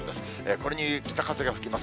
これに北風が吹きます。